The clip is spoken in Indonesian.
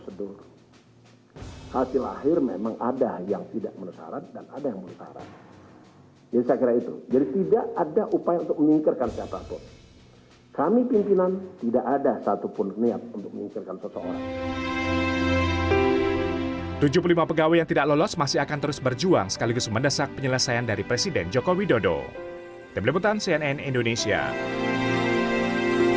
berikutnya keputusan mahkamah konstitusi yang tidak diikuti pimpinan terkait alih status jabatan pegawai ini di dalam undang undang kpk